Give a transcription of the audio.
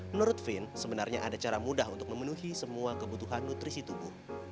menurut vin sebenarnya ada cara mudah untuk memenuhi semua kebutuhan nutrisi tubuh